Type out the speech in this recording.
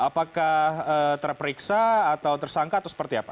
apakah terperiksa atau tersangka atau seperti apa